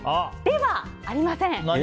ではありません。